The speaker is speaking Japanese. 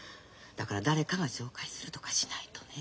だから誰かが紹介するとかしないとね。